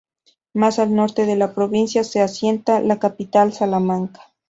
Más al norte de la provincia se asienta la capital, Salamanca.